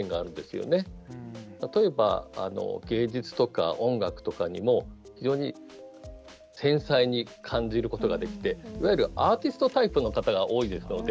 例えば芸術とか音楽とかにも非常に繊細に感じることができていわゆるアーティストタイプの方が多いですので。